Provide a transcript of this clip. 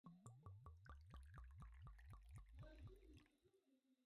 ځینې بې پښتو چارواکي د هغه ملاتړ کوي